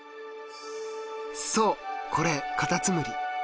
そうこれカタツムリ。